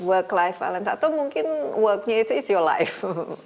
work life balance atau mungkin worknya itu it your life